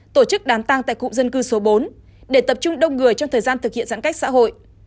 tổ chức đám tàng tại cụm dân cư số bốn để tập trung đông người trong thời gian thực hiện giãn cách xã hội